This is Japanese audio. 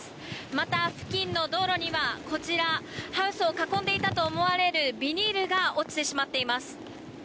また、付近の道路にはこちらハウスを囲んでいたと思われるビニールが落ちてしまっています。